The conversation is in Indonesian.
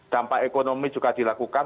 dampak ekonomi juga dilakukan